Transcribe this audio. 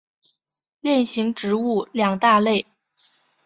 链型植物两大类。